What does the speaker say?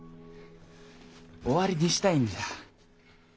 終わりにしたいんじゃ。